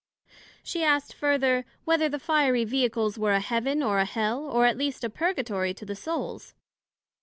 she asked further, Whether the fiery Vehicles were a Heaven, or a Hell, or at least a Purgatory to the Souls?